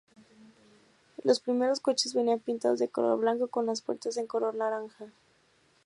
Los primeros coches venían pintados de color blanco con las puertas en color naranja.